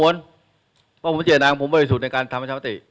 เพราะผมเจตนาของผมบริสุทธิ์ในการทำประชามติ